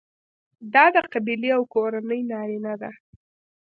دا د قبیلې او کورنۍ نارینه دي.